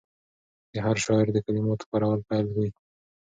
د هر شاعر د کلماتو کارول بېل وي.